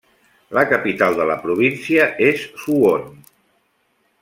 La capital de la província és Suwon.